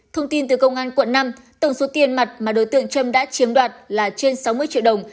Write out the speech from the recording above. thông tin từ công an quận năm tổng số tiền mặt mà đối tượng trâm đã chiếm đoạt là trên sáu mươi triệu đồng